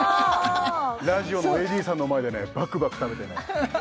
ラジオのＡＤさんの前でねバクバク食べてね